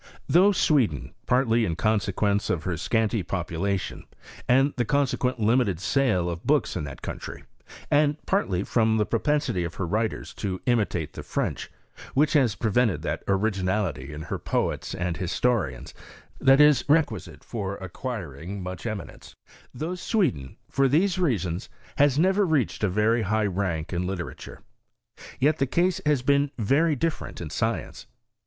Though Sweden, partly in consequence of her scanty population, and the consequent limited sale of books in that country, and partly from "the pro pensity of her writers to imitate the French, which has prevented that originality in her poets and his torians that is requisite for acquiring much eminence — though Sweden, for these reasons, has never reached a very high rank in literature ; yet the case has been very different in science.